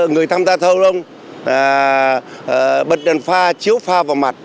người tham gia giao thông bật đèn pha chiếu pha vào mặt